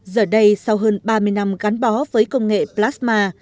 giờ đây sau hơn ba mươi năm gắn bó với công nghệ plasma